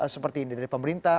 seperti ini dari pemerintah